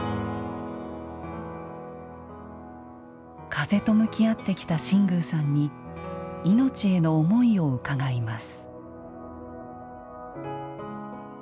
風と向き合ってきた新宮さんにいのちへの思いを伺います。